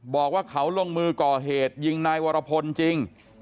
บอกว่าเขาลงมือก่อเหตุยิงนายวรพลจริง